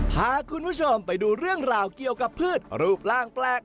พาคุณผู้ชมไปดูเรื่องราวเกี่ยวกับพืชรูปร่างแปลก